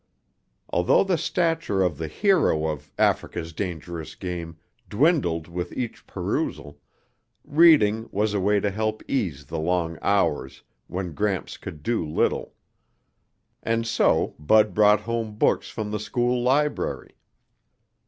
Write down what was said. Although the stature of the hero of Africa's Dangerous Game dwindled with each perusal, reading was a way to help ease the long hours when Gramps could do little. And so Bud brought home books from the school library.